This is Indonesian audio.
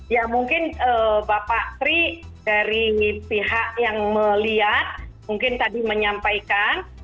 ya mungkin bapak tri dari pihak yang melihat mungkin tadi menyampaikan